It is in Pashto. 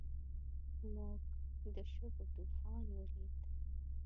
موږ د شګو طوفان ولید.